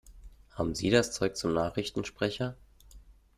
Haben Sie das Zeug zum Nachrichtensprecher?